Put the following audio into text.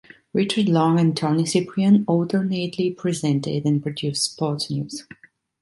Richard Long and Tony Ciprian alternately presented and produced sports news.